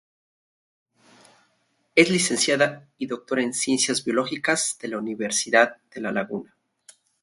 Es licenciada y doctora en Ciencias Biológicas de la Universidad de La Laguna.